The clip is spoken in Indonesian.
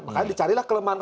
makanya dicarilah kelemahan